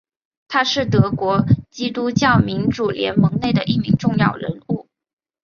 他是德国基督教民主联盟内的一名重要人物。